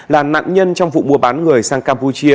là nạn nhân trong vụ mua bán người sang campuchia